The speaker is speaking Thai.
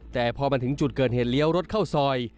แต่พอมาถึงจุดเกิดเหตุเลี้ยวรถเข้าซอย